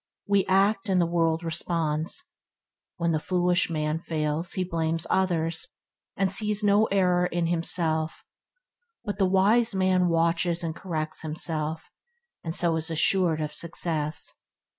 We act, and the world responds. When the foolish man fails, he blames other, and sees no error in himself; but the wise man watches and corrects himself, and so is assured of success.